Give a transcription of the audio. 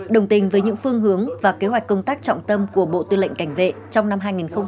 đồng tình với những phương hướng và kế hoạch công tác trọng tâm của bộ tư lệnh cảnh vệ trong năm hai nghìn hai mươi